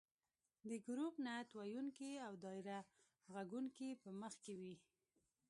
د ګروپ نعت ویونکي او دایره غږونکې به مخکې وي.